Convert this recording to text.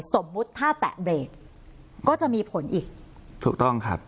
สมมุติถ้าแตะเบรกก็จะมีผลอีกถูกต้องครับ